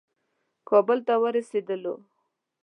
کابل ته ورسېدلو.